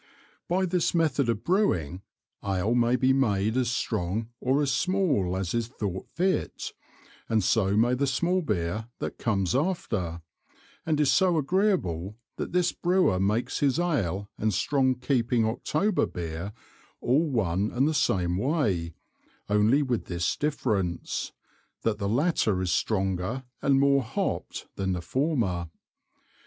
By this Method of Brewing, Ale may be made as strong or as small as is thought fit, and so may the small Beer that comes after, and is so agreeable that this Brewer makes his Ale and strong keeping October Beer, all one and the same way, only with this Difference, that the latter is stronger and more hopp'd than the former.